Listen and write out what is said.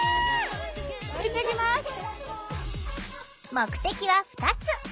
目的は２つ！